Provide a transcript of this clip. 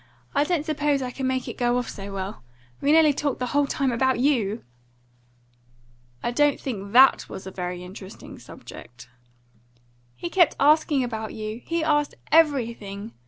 I didn't suppose I could make it go off so well. We talked nearly the whole time about you!" "I don't think THAT was a very interesting subject." "He kept asking about you. He asked everything.